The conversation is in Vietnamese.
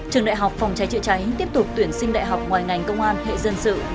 trường đại học phòng cháy chữa cháy tiếp tục tuyển sinh đại học ngoài ngành công an hệ dân sự